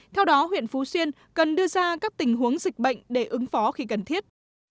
theo đó huyện phú xuyên cần đưa ra các tình huống dịch bệnh để ứng phó khi cần thiết